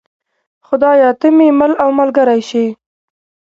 خدایه ته مې مل او ملګری شې.